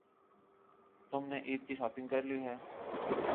تم نے عید کی شاپنگ کر لی ہے؟